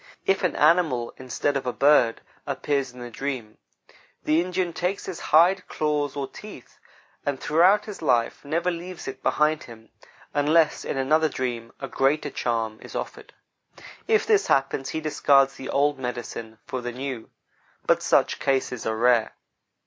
If an animal, instead of a bird, appears in the dream, the Indian takes his hide, claws, or teeth; and throughout his life never leaves it behind him, unless in another dream a greater charm is offered. If this happens, he discards the old "medicine" for the new; but such cases are rare.